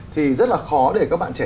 thì rất là khó để các bạn trẻ